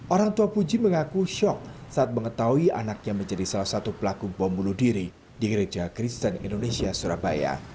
orang tua puji mengaku shock saat mengetahui anaknya menjadi salah satu pelaku bom bunuh diri di gereja kristen indonesia surabaya